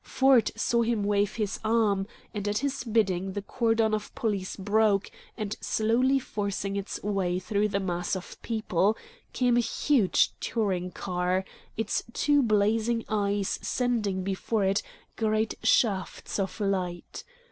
Ford saw him wave his arm, and at his bidding the cordon of police broke, and slowly forcing its way through the mass of people came a huge touring car, its two blazing eyes sending before it great shafts of light.